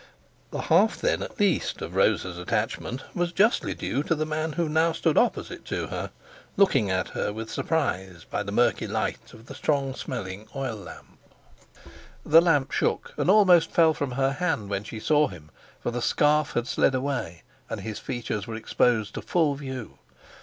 The half then, at least, of Rosa's attachment was justly due to the man who now stood opposite to her, looking at her with surprise by the murky light of the strong smelling oil lamp. The lamp shook and almost fell from her hand when she saw him; for the scarf had slid away, and his features were exposed to full view.